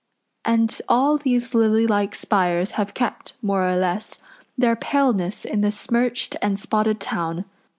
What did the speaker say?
And all these lily like spires have kept, more or less, their paleness in the smirched and spotted town.